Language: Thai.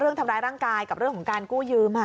เรื่องทำร้ายร่างกายกับเรื่องของการกู้ยืม